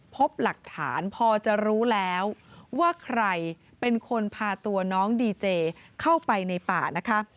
พบหลักฐานพอจะรู้แล้วว่าใครเป็นคนพาตัวน้องดีเจเข้าไปในป่านะคะ